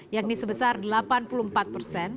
yakni sebesar delapan puluh empat persen